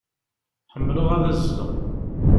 Ḥemmleɣ ad azzleɣ.